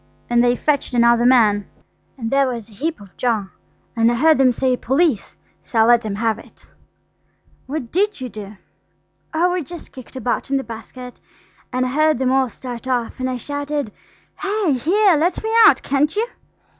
And they fetched another man, and there was a heap of jaw, and I heard them say 'Police,' so I let them have it." THEY LAUGHED EVER SO. "What did you do?" "Oh, I just kicked about in the basket, and I heard them all start off, and I shouted, 'Hi, here! let me out, can't you!'"